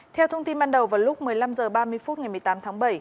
theo thông tin ban đầu vào lúc một mươi năm h ba mươi phút ngày một mươi tám tháng bảy